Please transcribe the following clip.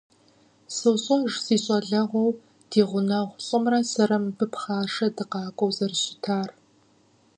СощӀэж си щӀалэгъуэу ди гъунэгъу лӀымрэ сэрэ мыбы пхъашэ дыкъакӀуэу зэрыщытар.